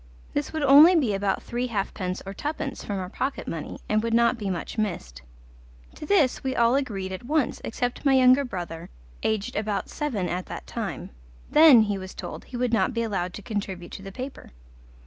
This would only be about three halfpence or twopence from our pocket money, and would not be much missed. To this we all agreed at once except my younger brother, aged about seven at that time. Then, he was told, he would not be allowed to contribute to the paper.